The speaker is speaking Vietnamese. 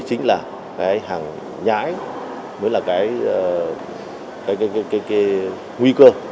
chính là cái hàng nhái mới là cái nguy cơ